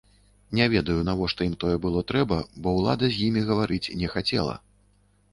Не ведаю, навошта ім тое было трэба, бо ўлада з імі гаварыць не хацела.